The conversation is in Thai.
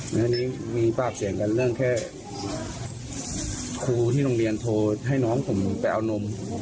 แล้วทีนี้มีปากเสียงกันเรื่องแค่ครูที่โรงเรียนโทรให้น้องผมไปเอานม